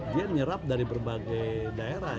dia nyerap dari berbagai daerah